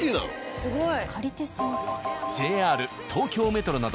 すごいね。